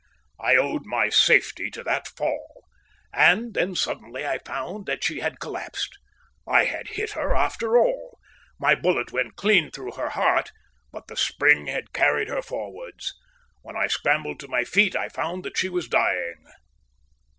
I owed my safety to that fall. And then suddenly I found that she had collapsed. I had hit her after all. My bullet went clean through her heart, but the spring had carried her forwards. When I scrambled to my feet I found that she was dying.